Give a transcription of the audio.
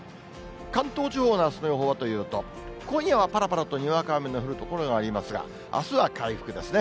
関東地方のあすの予報はというと、今夜はぱらぱらとにわか雨の降る所がありますが、あすは回復ですね。